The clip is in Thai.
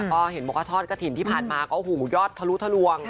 ก็เห็นมกฏกะทินที่ผ่านมาก็หูยอดทะลุทะลวง